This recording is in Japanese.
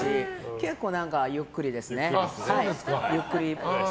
結構ゆっくりですね。